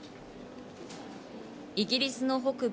イギリスの北部